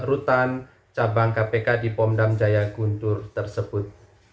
di rutan cabang kpk di pom dam jaya guntur tersebut